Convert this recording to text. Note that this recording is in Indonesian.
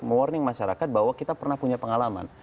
mewarning masyarakat bahwa kita pernah punya pengalaman